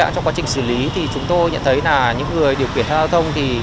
trong quá trình xử lý chúng tôi nhận thấy những người điều kiện tham gia giao thông